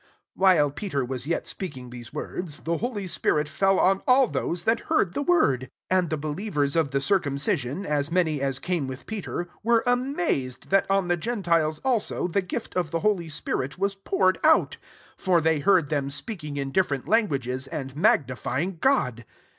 ^ 44 While Peter was yet speaking these words, the holy spirit fell on all those that heard the word. 45 And the believers of the circumcbion, as many as came with Peter, were amaz ed, that on the gentiles also, the gift of the holy spirit was poured out: 46 for they heard them speaking in different lan guages, and magnifying God.